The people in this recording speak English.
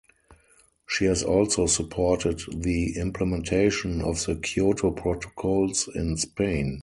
She has also supported the implementation of the Kyoto Protocols in Spain.